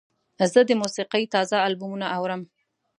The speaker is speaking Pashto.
زه د موسیقۍ تازه البومونه اورم.